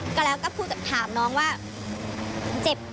ก็แล้วก็พูดถามน้องว่าเจ็บ